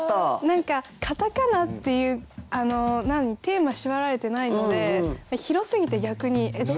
何かカタカナっていうテーマ縛られてないので広すぎて逆にどうしようって。